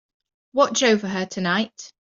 Watch over her tonight.